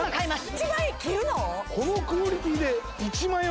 １万円切るの！？